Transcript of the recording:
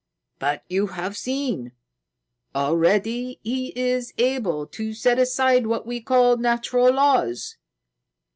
But you have seen. Already he is able to set aside what we call natural laws."